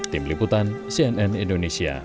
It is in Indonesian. tim liputan cnn indonesia